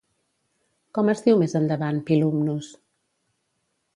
Com es diu més endavant Pilumnus?